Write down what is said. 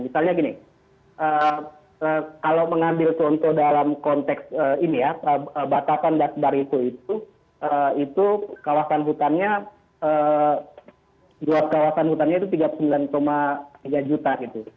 misalnya gini kalau mengambil contoh dalam konteks ini ya batasan dakbar itu itu kawasan hutannya luas kawasan hutannya itu tiga puluh sembilan tiga juta gitu